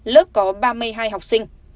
lớp có ba mươi hai học sinh